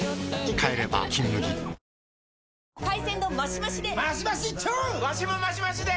帰れば「金麦」海鮮丼マシマシで！